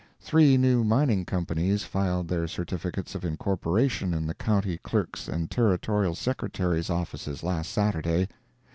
Three new mining companies filed their certificates of incorporation in the County Clerk's and Territorial Secretary's offices last Saturday.